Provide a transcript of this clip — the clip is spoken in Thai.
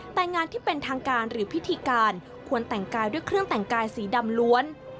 แต่งานที่เป็นทางการหรือพิธีการควรแต่งกายด้วยเครื่องแต่งกายสีดำล้วน